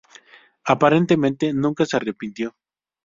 Aparentemente, nunca se arrepintió.